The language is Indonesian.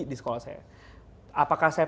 aku berperan maaf dua ribu satu